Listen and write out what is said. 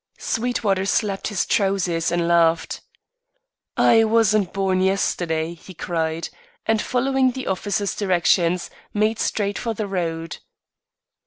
Sweetwater slapped his trousers and laughed. "I wasn't born yesterday," he cried; and following the officer's directions, made straight for the Road.